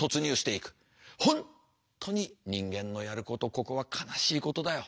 本当に人間のやることここは悲しいことだよ。